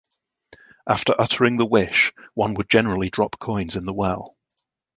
After uttering the wish, one would generally drop coins in the well.